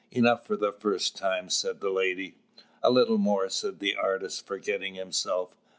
"Enough for the first time," said the lady. "A little more," said the artist, forgetting himself.